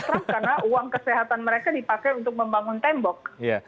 karena uang kesehatan mereka dipakai untuk membangun tembok